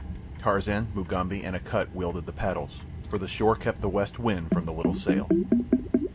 Tarzan, Mugambi, and Akut wielded the paddles, for the shore kept the west wind from the little sail.